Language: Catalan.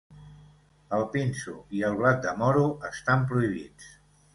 El pinso i el blat de moro estan prohibits.